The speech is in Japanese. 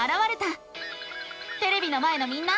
テレビの前のみんな！